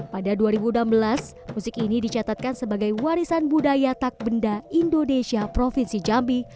pada dua ribu enam belas musik ini dicatatkan sebagai warisan budaya tak benda indonesia provinsi jambi